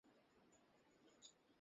কত বড়ো সাহস জিমে মদ খাস!